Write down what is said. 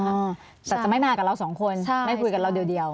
อาจจะไม่มากับเราสองคนใช่ไม่คุยกับเราเดียว